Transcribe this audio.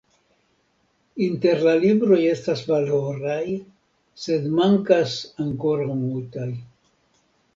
Inter la libroj estas valoraj, sed mankas ankoraŭ multaj.